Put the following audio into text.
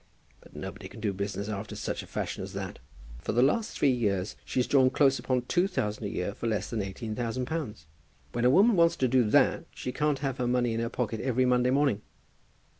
But nobody can do business after such a fashion as that. For the last three years she's drawn close upon two thousand a year for less than eighteen thousand pounds. When a woman wants to do that, she can't have her money in her pocket every Monday morning."